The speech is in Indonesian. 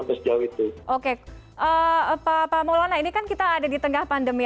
pak maulana ini kan kita ada di tengah pandemi